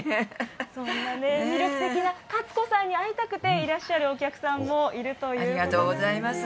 そんな魅力的な勝子さんに会いたくていらっしゃるお客さんもありがとうございます。